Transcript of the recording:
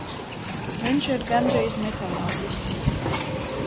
Viņš ir gandrīz mitoloģisks.